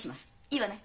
いいわね？